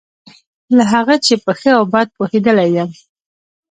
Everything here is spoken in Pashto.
له هغه چې په ښه او بد پوهېدلی یم.